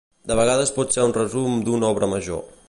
De vegades pot ser un resum d'una obra major.